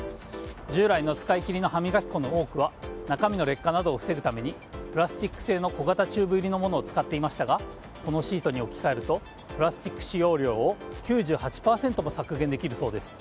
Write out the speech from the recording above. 従来の使い切りの歯磨き粉の多くは中身の劣化を防ぐためプラスチック製の小型チューブ入りのものを使っていましたがこのシートに置き換えるとプラスチック使用量を９８％も削減できるそうです。